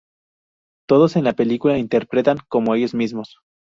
Todos en la película interpretan como ellos mismos.